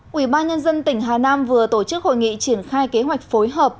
quỷ ban nhân dân tỉnh hà nam vừa tổ chức hội nghị triển khai kế hoạch phối hợp